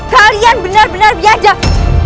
kalian benar benar biadab